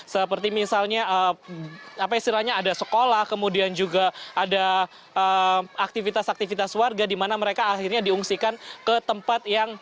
seperti misalnya apa istilahnya ada sekolah kemudian juga ada aktivitas aktivitas warga di mana mereka akhirnya diungsikan ke tempat yang